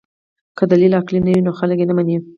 که دلیل عقلي نه وي نو خلک یې نه مني.